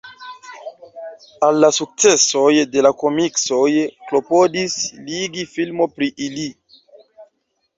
Al la sukcesoj de la komiksoj klopodis ligi filmo pri ili.